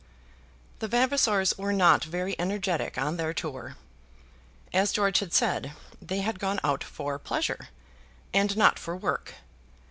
The Vavasors were not very energetic on their tour. As George had said, they had gone out for pleasure and not for work.